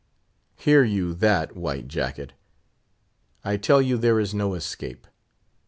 Hear you that, White Jacket! I tell you there is no escape.